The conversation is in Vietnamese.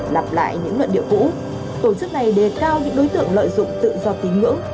lặp lại những luận điệu cũ tổ chức này đề cao những đối tượng lợi dụng tự do tín ngưỡng